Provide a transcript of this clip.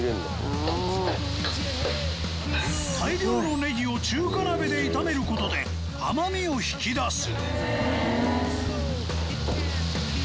大量のネギを中華鍋で炒める事で甘みを引き出す